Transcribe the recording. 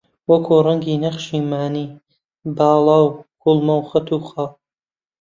وەک ڕەنگی نەخشی مانی، باڵا و کوڵم و خەت و خاڵ